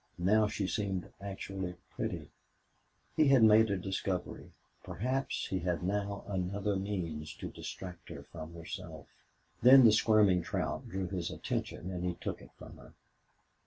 Now she seemed actually pretty. He had made a discovery perhaps he had now another means to distract her from herself. Then the squirming trout drew his attention and he took it from her.